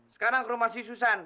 sekarang ke rumah si susan